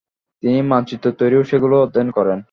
তিনি মানচিত্র তৈরি ও সেগুলো অধ্যয়ন করেন।